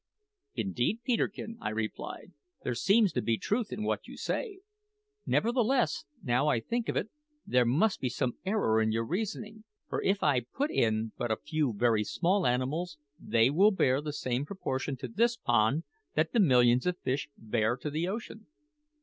"Indeed, Peterkin," I replied, "there seems to be truth in what you say. Nevertheless, now I think of it, there must be some error in your reasoning; for if I put in but a few very small animals, they will bear the same proportion to this pond that the millions of fish bear to the ocean."